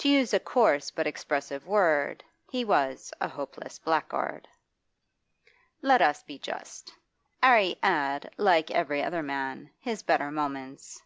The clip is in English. To use a coarse but expressive word, he was a hopeless blackguard. Let us be just; 'Arry had, like every other man, his better moments.